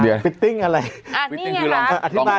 อะพี่มีซึ้งตอนเช้า